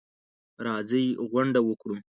راځئ غونډه وکړو.